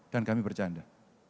dan kami bercanda